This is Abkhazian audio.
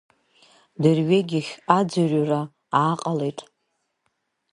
Дырҩегьых аӡырҩра ааҟалеит.